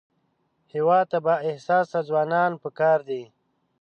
هېواد ته بااحساسه ځوانان پکار دي